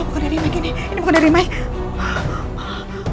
ini bukan dari mike ini bukan dari mike